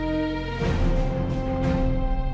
ที่สุดท้าย